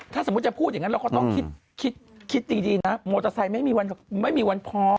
ถ้าสมมุติจะพูดอย่างนั้นเราก็ต้องคิดดีนะมอเตอร์ไซค์ไม่มีวันพอ